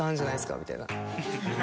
みたいな。